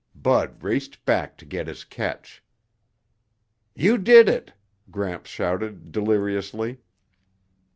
Bud raced back to get his catch. "You did it!" Gramps shouted deliriously.